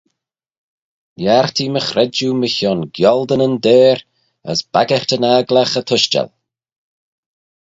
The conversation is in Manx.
Niartee my chredjue mychione gialdynyn deyr as baggyrtyn agglagh y tushtal.